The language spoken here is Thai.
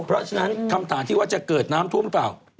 เพราะฉะนั้นคำถามที่ว่าจะเกิดน้ำท่วมหรือเปล่า